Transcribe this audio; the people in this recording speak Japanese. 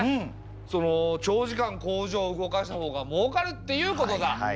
その長時間工場を動かした方がもうかるっていうことだ！